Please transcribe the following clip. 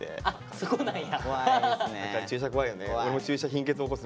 そうなんや。